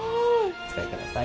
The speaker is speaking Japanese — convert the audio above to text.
お使いください。